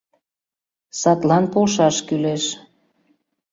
— Садлан полшаш кӱлеш...